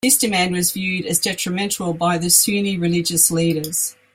This demand was viewed as detrimental by the Sunni religious leaders.